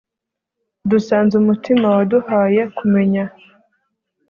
dusanze umutima waduhaye kumenya